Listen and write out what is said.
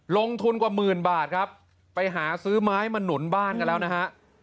ลงทุนกว่าหมื่นบาทครับไปหาซื้อไม้มาหนุนบ้านกันแล้วนะฮะ